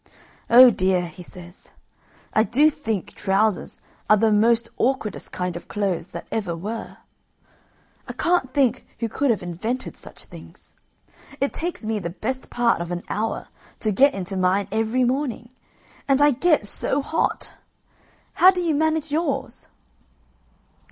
"Oh dear," he says, "I do think trousers are the most awkwardest kind of clothes that ever were. I can't think who could have invented such things. It takes me the best part of an hour to get into mine every morning, and I get so hot! How do you manage yours?"